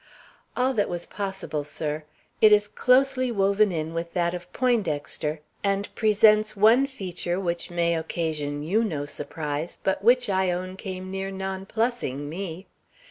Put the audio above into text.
"All that was possible, sir. It is closely woven in with that of Poindexter, and presents one feature which may occasion you no surprise, but which, I own, came near nonplussing me.